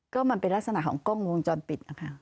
ก็มันเป็นลักษณะของกล้องวงจรปิดนะคะ